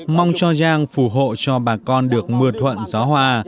mong cho giang phù hộ cho bà con được mưa thuận gió hòa